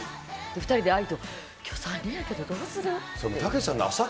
２人でＡＩと、きょう３人やけどどうする？